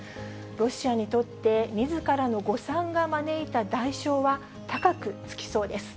ロシアにとって、みずからの誤算が招いた代償は、高くつきそうです。